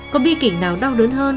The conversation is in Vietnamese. có bi kình nào đau đớn hơn